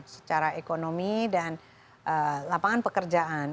secara ekonomi dan lapangan pekerjaan